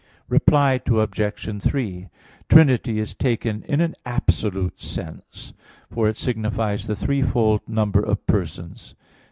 Reply Obj. 3: "Trinity" is taken in an absolute sense; for it signifies the threefold number of persons.